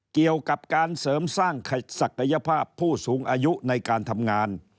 เกี่ยวกับการเสริมสร้างศักยภาพผู้สูงอายุในการทำงาน